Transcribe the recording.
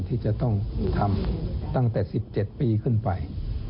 ที่จะต้องทำตั้งแต่๑๗ปีขึ้นไป